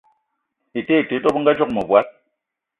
Ete ete te, dò bëngadzoge mëvòd